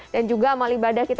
dan juga amal ibadah kita selamat